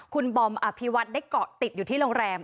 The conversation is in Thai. คุณบอมอภิวัฒน์ได้เกาะติดอยู่ที่โรงแรม